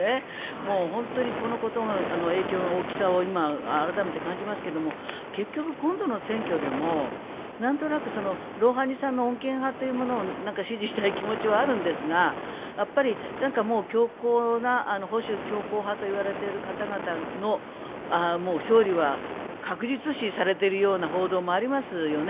もう本当にこのことの影響の大きさを今、改めて感じますけども結局、今度の選挙でもなんとなくロウハニさんの穏健派というものを支持したい気持ちはあるんですがやっぱり保守強硬派といわれている方々の勝利は確実視されているような報道もありますよね。